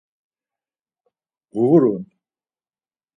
“Ğurun!”